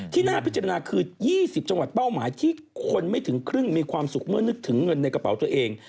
ที่น่าพิจารณาคือ๒๐จังหวัดเป้าหมายที่คนไม่ถึงครึ่งมีความสุขเมื่อนึกถึงเงินในกระเป๋าตัวเอง